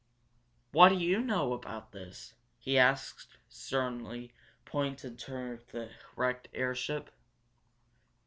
"What do you know about this?" he asked, sternly, pointing to the wrecked airship.